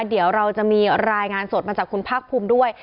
เดี๋ยวเราจะมีรายงานสดมาจากคุณภาคภูมิด้วย